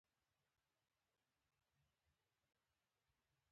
ګلاب له اوښکو سره هم ښایسته ښکاري.